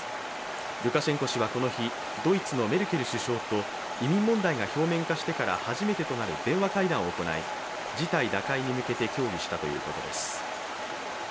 ルカシェンコ氏はこの日、ドイツのメルケル首相と移民問題が表面化してから初めてとなる電話会談を行い事態打開に向けて協議したということです。